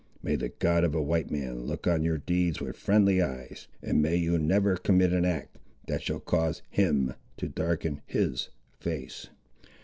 May the God of a white man look on your deeds with friendly eyes, and may you never commit an act, that shall cause Him to darken His face.